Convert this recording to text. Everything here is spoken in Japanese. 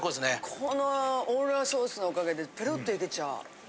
このオーロラソースのおかげでペロッといけちゃう。